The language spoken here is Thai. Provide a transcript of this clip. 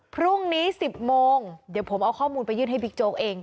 พรุ่งนี้๑๐โมงเดี๋ยวผมเอาข้อมูลไปยื่นให้บิ๊กโจ๊กเอง